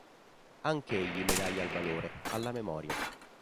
Anch'egli medaglia al valore, alla memoria.